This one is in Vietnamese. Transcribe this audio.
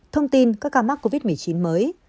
thông tin các ca mắc covid một mươi chín mới